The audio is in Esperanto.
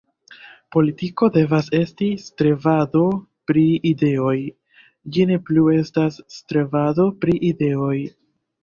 Politiko devas esti strebado pri ideoj; ĝi ne plu estas strebado pri ideoj.